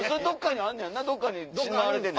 どっかにあんねやな